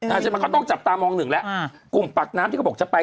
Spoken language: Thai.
ใช่ไหมก็ต้องจับตามองหนึ่งแล้วกลุ่มปากน้ำที่เขาบอกจะไป